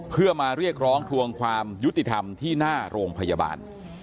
เพื่อมาเรียกร้องทวงความยุติธรรมที่หน้าโรงพยาบาล